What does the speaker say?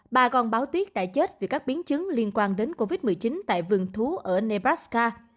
bà con báo tuyết đã chết vì các biến chứng liên quan đến covid một mươi chín tại vườn thú ở nepraska